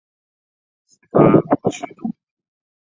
齐伐鲁取都。